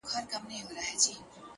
لوړ هدف لویه انرژي زېږوي.!